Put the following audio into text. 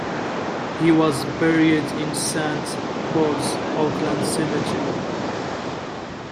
He was buried in Saint Paul's Oakland Cemetery.